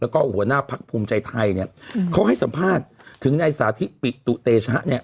แล้วก็หัวหน้าพักภูมิใจไทยเนี่ยเขาให้สัมภาษณ์ถึงในสาธิปิตุเตชะเนี่ย